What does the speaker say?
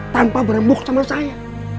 tanpa berembuk sama saya